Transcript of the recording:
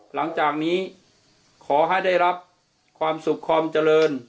หลังจากนี้ขอให้ได้รับความสุขความเจริญ